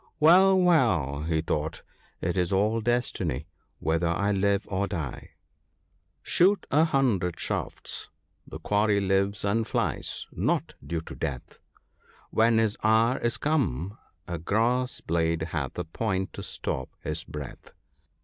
'Well, well,' he thought, 'it is all destiny whether I live or die :— THE PARTING OF FRIENpS. 57 "Shoot a hundred shafts, the quairy lives and flies— not due lo death ; When his hour is come, a grass blade hath a point to stop his breath."